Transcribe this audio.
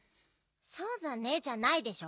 「そうだね」じゃないでしょ。